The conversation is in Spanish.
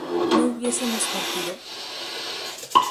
¿no hubiésemos partido?